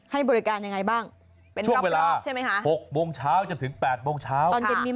ให้บริการยังไงบ้างช่วงเวลา๖โมงเช้าจนถึง๘โมงเช้า